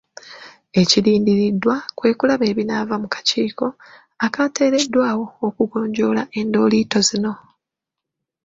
Ekirindiriddwa kwe kulaba ebinaava mu kakiiko akateereddwawo okugonjoola endooliito zino.